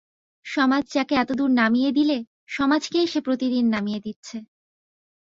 সমাজ যাকে এতদূর নামিয়ে দিলে সমাজকেই সে প্রতিদিন নামিয়ে দিচ্ছে।